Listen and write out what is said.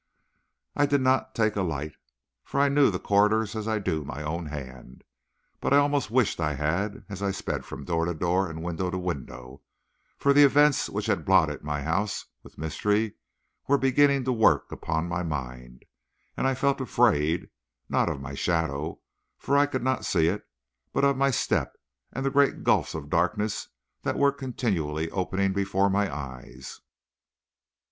I did not take a light, for I know the corridors as I do my own hand. But I almost wished I had as I sped from door to door and window to window; for the events which had blotted my house with mystery were beginning to work upon my mind, and I felt afraid, not of my shadow, for I could not see it, but of my step, and the great gulfs of darkness that were continually opening before my eyes.